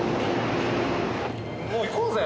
もう行こうぜ。